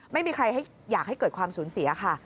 ไม่มีใครอยากให้เกิดความสูญเสียค่ะ